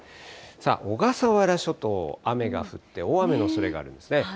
小笠原諸島、雨が降って、大雨のおそれがあるんですね。